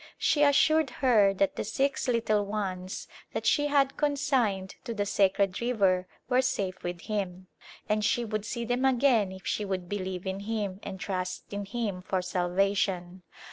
She assured her that the six little ones that she had consigned to the " sacred river " were safe with Him, and she would see them again if she would believe in Him and trust in Him for salvation.